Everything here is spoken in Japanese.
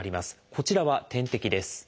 こちらは点滴です。